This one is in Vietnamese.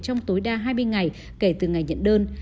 trong tối đa hai mươi ngày kể từ ngày nhận đơn